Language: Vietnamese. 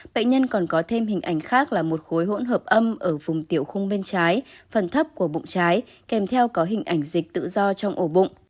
bệnh nhân còn có thêm hình ảnh khác là một khối hỗn hợp âm ở vùng tiểu khung bên trái phần thấp của bụng trái kèm theo có hình ảnh dịch tự do trong ổ bụng